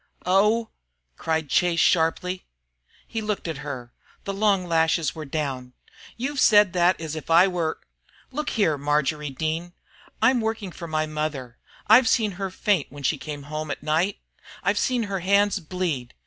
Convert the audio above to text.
"Oh!" cried Chase, sharply. He looked at her; the long lashes were down. "You said that as if I were Look here, Marjory Dean! I'm working for my mother. I've seen her faint when she came home at night. I've seen her hands bleed.